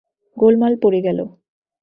গোলমাল পড়ে গেল।